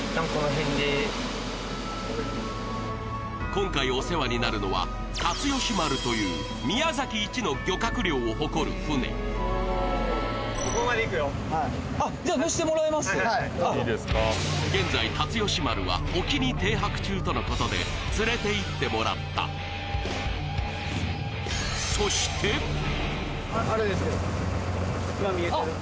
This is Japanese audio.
今回お世話になるのは竜喜丸という宮崎一の漁獲量を誇る船はいはいはい現在竜喜丸は沖に停泊中とのことで連れていってもらった今見えとる